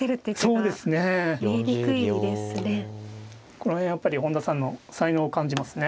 この辺やっぱり本田さんの才能を感じますね。